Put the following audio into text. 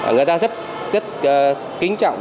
người ta rất kính trọng